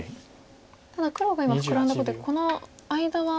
ただ黒が今フクラんだことでこの間は。